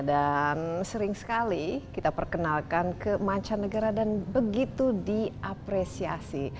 sering sekali kita perkenalkan ke mancanegara dan begitu diapresiasi